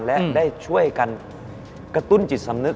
และได้ช่วยกันกระตุ้นจิตสำนึก